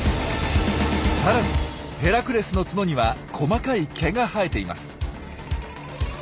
さらにヘラクレスの角には細かい毛が生えています。